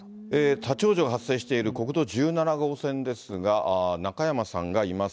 立往生が発生している国道１７号線ですが、中山さんがいます。